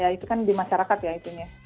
ya itu kan di masyarakat ya itunya